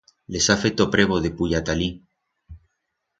Les ha feto prebo de puyar ta alí.